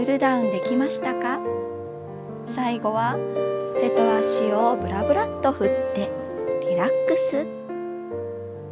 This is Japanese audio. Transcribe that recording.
最後は手と足をぶらぶらと振ってリラックス。